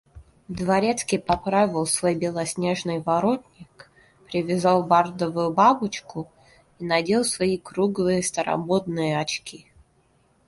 Дворецкий поправил свой белоснежный воротник, привязал бардовую бабочку и надел свои круглые старомодные очки.